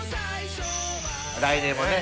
来年もね